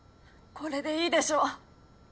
これでいいでしょ。